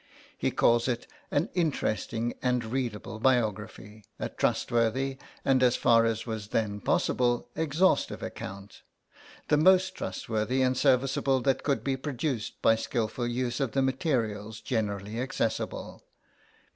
He calls it an "interesting and readable biography," "a trustworthy and, as far as was then possible, exhaustive account... the most trustworthy and serviceable that could be produced by skilful use of the materials generally accessible" (pp.